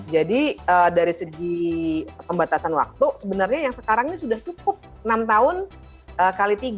jadi dari segi pembatasan waktu sebenarnya yang sekarang ini sudah cukup enam tahun kali tiga